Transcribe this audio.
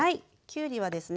きゅうりはですね